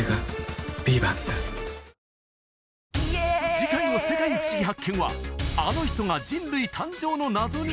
次回の「世界ふしぎ発見！」はあの人が人類誕生の謎に！